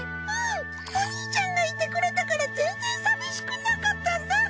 うんお兄ちゃんがいてくれたから全然寂しくなかったんだ。